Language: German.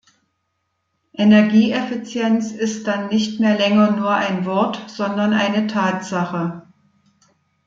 Energieeffizienz ist dann nicht mehr länger nur ein Wort, sondern eine Tatsache.